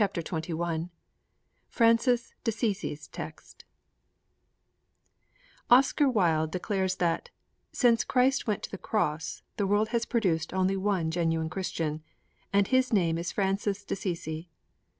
_' XXI FRANCIS D'ASSISI'S TEXT I Oscar Wilde declares that, since Christ went to the cross, the world has produced only one genuine Christian, and his name is Francis d'Assisi.